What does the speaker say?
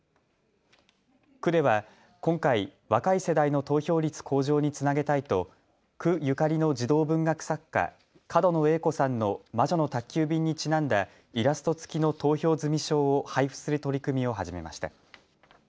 区では今回、若い世代の投票率向上につなげたいと区ゆかりの児童文学作家、角野栄子さんの魔女の宅急便にちなんだイラスト付きの投票済証を配布する取り組みを始めました。